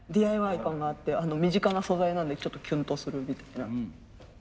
ＤＩＹ感があって身近な素材なんでちょっとキュンとするみたいな。